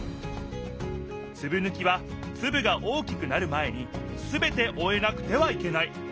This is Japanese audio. つぶぬきはつぶが大きくなる前にすべておえなくてはいけない。